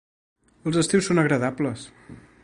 Els estius són agradables.